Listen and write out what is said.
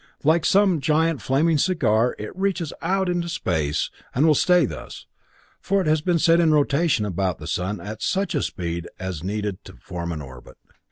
Like some giant flaming cigar it reaches out into space and it will stay thus, for it has been set in rotation about the sun at such a speed as is needed to form an orbit.